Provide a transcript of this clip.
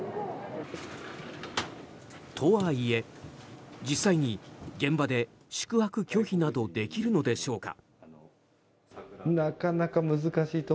とはいえ、実際に現場で宿泊拒否などできるのでしょうか。